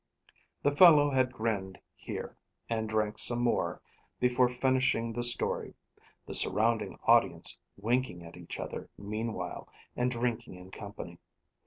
The fellow had grinned here and drank some more, before finishing the story; the surrounding audience winking at each other meanwhile, and drinking in company.